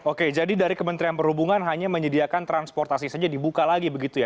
oke jadi dari kementerian perhubungan hanya menyediakan transportasi saja dibuka lagi begitu ya